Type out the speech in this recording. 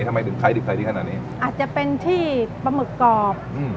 ทำไมดึกใครดึกใสลี้ขนาดนี้อาจจะเป็นที่ปรัมมึกกรอบอืม